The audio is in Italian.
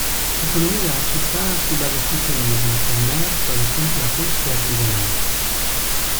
L'economia della città si basa sul turismo, commercio, agricoltura, pesca e artigianato.